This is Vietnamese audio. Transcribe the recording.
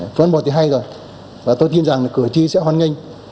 phương án một thì hay rồi và tôi tin rằng cửa chi sẽ hoàn nhanh